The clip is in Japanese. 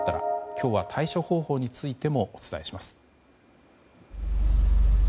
今日は対処方法についてもお伝えします。